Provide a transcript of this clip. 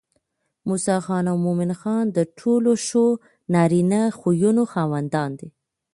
موسى خان او مومن خان د ټولو ښو نارينه خويونو خاوندان دي